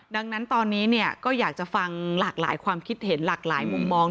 ดังนั้นตอนนี้ก็อยากจะฟังหลากหลายความคิดเห็นหลากหลายมุมมอง